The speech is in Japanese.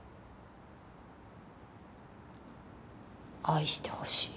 愛してほしい。